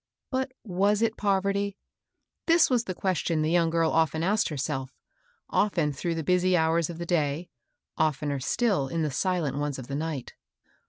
But was it poverty? This was a question the young girl often asked herself, — often through the busy hours of the day, oftener still in the silent ones of the night.